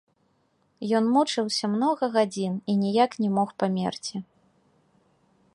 Ён мучыўся многа гадзін і ніяк не мог памерці.